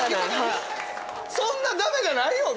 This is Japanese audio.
そんなだめじゃない。